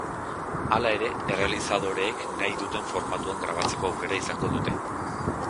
Hala ere, errealizadoreek nahi duten formatuan grabatzeko aukera izango dute.